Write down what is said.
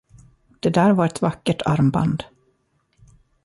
Det där var ett vackert armband.